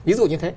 ví dụ như thế